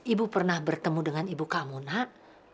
ibu pernah bertemu dengan ibu kamu nak